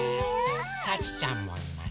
さちちゃんもいます。